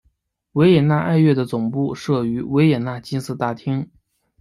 维也纳爱乐的总部设于维也纳金色大厅。